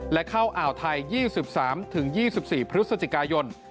และเข้าอ่าวไทย๒๓๒๔พฤศจิกายน